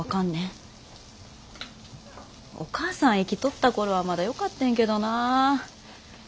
お母さん生きとった頃はまだよかったんやけどな。